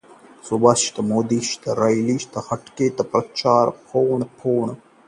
मोदी की कानपुर रैली का हाइटेक प्रचार, फोन पर भी सुन सकेंगे भाषण